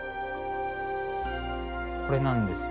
これなんですよ。